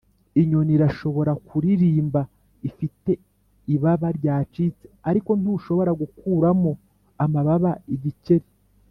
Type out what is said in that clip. inyoni irashobora kuririmba ifite ibaba ryacitse, ariko ntushobora gukuramo amababa igikeri